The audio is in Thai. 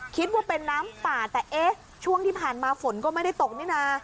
คิดว่าเป็นน้ำป่าแต่เอ๊ะช่วงที่ผ่านมาฝนก็ไม่ได้ตกนี่นะ